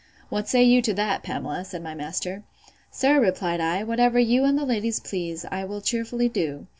What say you to that, Pamela, said my master. Sir, replied I, whatever you and the ladies please, I will cheerfully do.